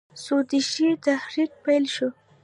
سودیشي تحریک پیل شو.